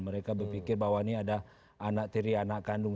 mereka berpikir bahwa ini ada anak tiri anak kandung